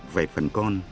về phần con